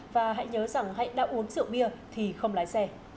và hãy nhớ rằng hãy đã uống rượu bia thì không lái xe